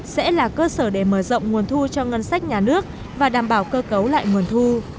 sẽ là cơ sở để mở rộng nguồn thu cho ngân sách nhà nước và đảm bảo cơ cấu lại nguồn thu